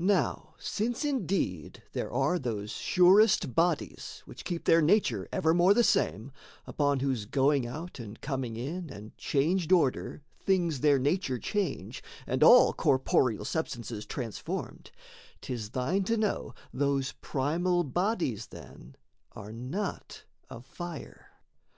Now since indeed there are those surest bodies Which keep their nature evermore the same, Upon whose going out and coming in And changed order things their nature change, And all corporeal substances transformed, 'Tis thine to know those primal bodies, then, Are not of fire.